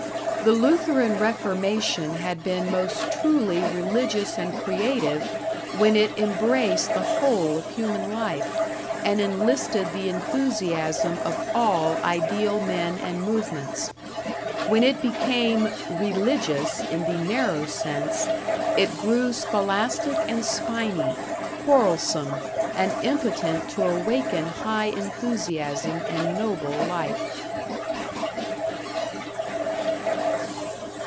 The Lutheran Reformation had been most truly religious and creative when it embraced the whole of human life and enlisted the enthusiasm of all ideal men and movements. When it became "religious" in the narrow sense, it grew scholastic and spiny, quarrelsome, and impotent to awaken high enthusiasm and noble life.